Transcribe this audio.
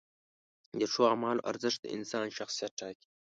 د ښو اعمالو ارزښت د انسان شخصیت ټاکي.